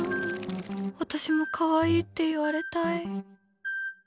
私も可愛いって言われたい。